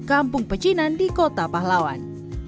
kampung pecinan di kota pahlawan